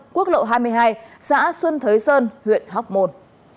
tổ hai mươi hai xã xuân thới sơn huyện hóc môn